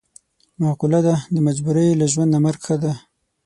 معقوله ده: د مجبورۍ له ژوند نه مرګ ښه دی.